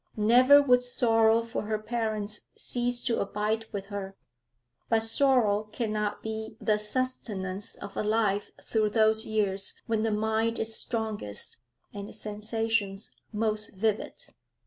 Never would sorrow for her parents cease to abide with her, but sorrow cannot be the sustenance of a life through those years when the mind is strongest and the sensations most vivid.